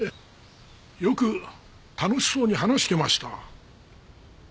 よく楽しそうに話してました。